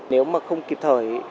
nếu mà không kịp thời